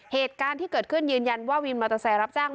เหตุการณ์ที่เกิดขึ้นยืนยันว่าวินมอเตอร์ไซค์รับจ้าง